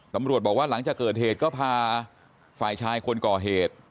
ตำรวจบอกว่าหลังจากเกิดเหตุก็พาฝ่ายชายคนก่อเหตุ